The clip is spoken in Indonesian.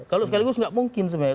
kalau sekaligus nggak mungkin sebenarnya